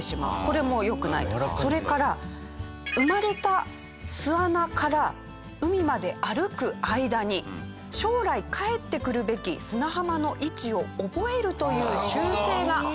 それから生まれた巣穴から海まで歩く間に将来帰ってくるべき砂浜の位置を覚えるという習性があるので。